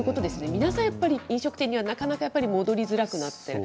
皆さん、やっぱり飲食店には、なかなかやっぱり戻りづらくなっている。